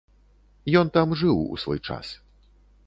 Ён там жыў у свой час.